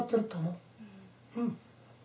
うん。